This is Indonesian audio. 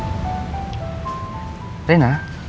ini sampahnya pak